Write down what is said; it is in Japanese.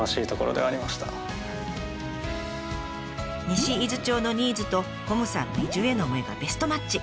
西伊豆町のニーズとこむさんの移住への思いがベストマッチ。